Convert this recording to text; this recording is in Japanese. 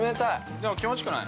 ◆でも気持ちいくない？